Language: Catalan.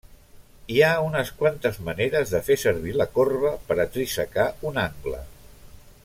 Hi ha unes quantes maneres de fer servir la corba per a trisecar un angle.